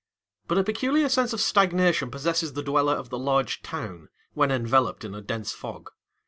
But a peculiar sense of stagnation possesses the dweller of the large town, when enveloped in a dense fog.